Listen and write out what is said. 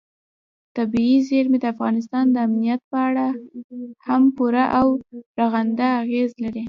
طبیعي زیرمې د افغانستان د امنیت په اړه هم پوره او رغنده اغېز لري.